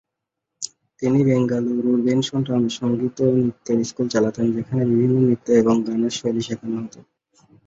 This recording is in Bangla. তিনি বেঙ্গালুরুর বেনসন টাউনে সংগীত ও নৃত্যের স্কুল চালাতেন, যেখানে বিভিন্ন নৃত্য এবং গানের শৈলী শেখানো হত।